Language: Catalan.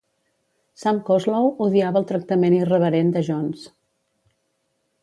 Sam Coslow odiava el tractament irreverent de Jones.